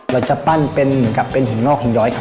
เราจะปั้นเป็นเหมือนกับเป็นหินงอกหินย้อยครับ